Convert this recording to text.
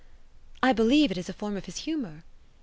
"I believe it is a form of his humour."